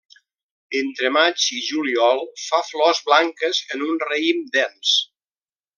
Entre maig i juliol fa flors blanques en un raïm dens.